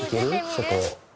そこ。